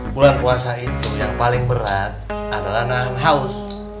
bulan puasa itu yang paling berat adalah nahan haus